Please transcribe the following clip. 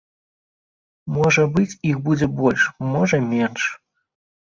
Можа быць, іх будзе больш, можа, менш.